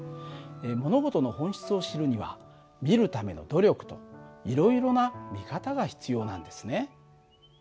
物事の本質を知るには見るための努力といろいろな見方が必要なんですね。